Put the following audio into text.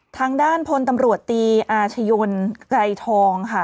ทางด้านพลตำรวจตีอาชญนไกรทองค่ะ